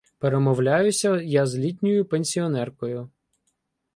Перемовляюся я з літньою пенсіонеркою